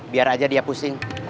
biar aja dia pusing